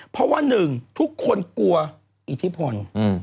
เพราะว่าหนึ่งทุกคนกลัวอิทธิพล